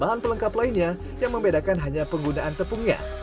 bahan pelengkap lainnya yang membedakan hanya penggunaan tepungnya